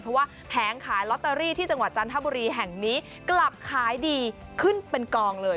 เพราะว่าแผงขายลอตเตอรี่ที่จังหวัดจันทบุรีแห่งนี้กลับขายดีขึ้นเป็นกองเลย